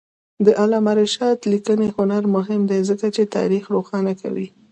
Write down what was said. د علامه رشاد لیکنی هنر مهم دی ځکه چې تاریخ روښانه کوي.